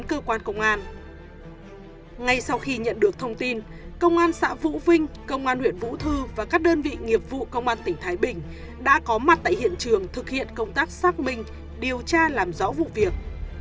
công an huyện vũ thư và các đơn vị nghiệp vụ công an tỉnh thái bình đã có mặt tại hiện trường thực hiện công tác xác minh điều tra làm rõ vụ việc